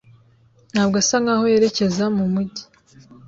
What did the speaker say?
Ntabwo asa nkaho yerekeza mu mujyi.